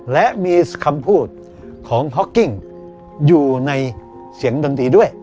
และมีคำพูดของฮอกกิ้งอยู่ในเสียงดนตรีด้วย